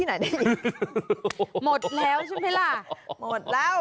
หมดแล้วใช่ไหมล่ะหมดแล้ว